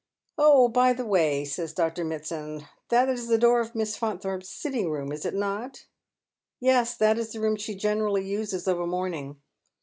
" Oh, by the way," says Dr. Mitsand, " that is the door of Misa Fannthorpe's sitting room, is it not ?"" Yes. That is the room she generally uses of a morning."